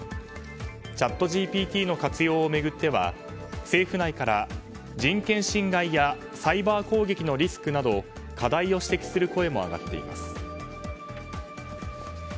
チャットＧＰＴの活用を巡っては政府内から人権侵害やサイバー攻撃のリスクなど課題を指摘する声も上がっています。